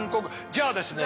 じゃあですね